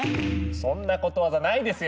そんなことわざないですよ